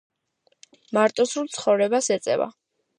მარტოსულ ცხოვრებას ეწევა.